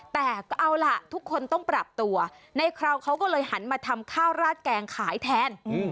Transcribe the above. แต่ก็เอาล่ะทุกคนต้องปรับตัวในคราวเขาก็เลยหันมาทำข้าวราดแกงขายแทน